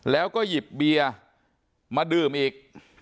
แล้วก็หยิบเบียร์มาดื่มอีก